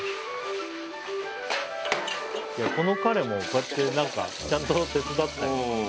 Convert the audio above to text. この彼もこうやってちゃんと手伝ったり。